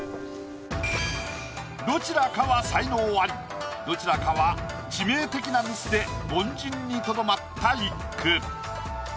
どちらかは才能アリどちらかは致命的なミスで凡人にとどまった一句。